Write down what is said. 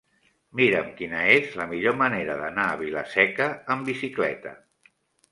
Mira'm quina és la millor manera d'anar a Vila-seca amb bicicleta.